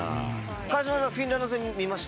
川島さんはフィンランド戦見ました？